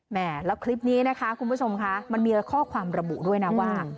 แล้วคลิปนี้นะคะคุณผู้ชมคะมันมีข้อความระบุด้วยนะว่า